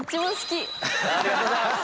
ありがとうございます。